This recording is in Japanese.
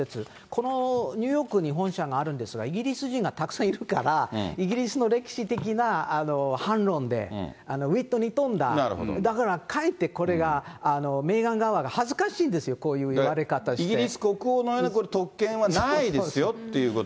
このニューヨークに本社があるんですが、イギリス人がたくさんいるから、イギリスの歴史的な反論で、ウィットに富んだ、だからかえってこれが、メーガン側が恥ずかしいですよ、イギリス国王のような特権はないですよっていうこと。